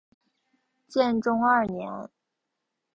建中二年。